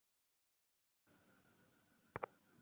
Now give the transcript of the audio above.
সকলই এই সংসার জালের অন্তর্গত, আমরা উহাকে অতিক্রম করিতে পারি না।